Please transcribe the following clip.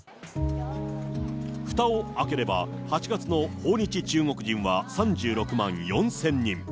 ふたを開ければ８月の訪日中国人は３６万４０００人。